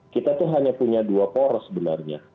kita tuh hanya punya dua poros sebenarnya